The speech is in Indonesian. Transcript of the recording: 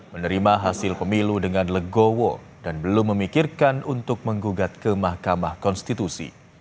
menerima hasil pemilu dengan legowo dan belum memikirkan untuk menggugat ke mahkamah konstitusi